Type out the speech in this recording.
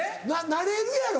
慣れるやろ？